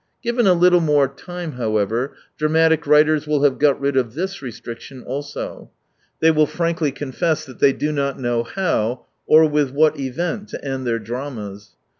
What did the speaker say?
Given a little more time, however, dramatic writers will have got rid of this restriction also. They will frankly confess that they do not know how, or with what event to end their dramas.